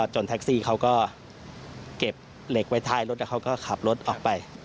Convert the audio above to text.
แท็กซี่เขาก็เก็บเหล็กไว้ท้ายรถแล้วเขาก็ขับรถออกไป